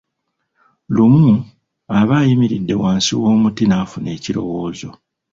Lumu, aba ayimiridde wansi w'omuti n'afuna ekirowoozo.